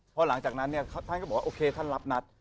พอหลังจากนั้นเนี่ยท่านก็บอกว่าโอเคท่านรับนัด